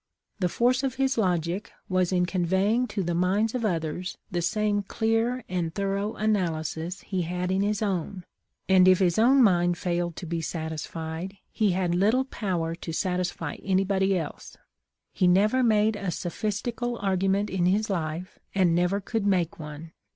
The force of his logic was in conveying to the minds of others the same clear and thorough analysis he had in his own, and if his own mind THE LIFE OF LINCOLN. 5 37 failed to be satisfied, he had little power to satisfy anybody else. He never made a sophistical argu ment in his life, and never could make one.